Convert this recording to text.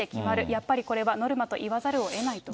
やっぱりこれはノルマと言わざるをえないと。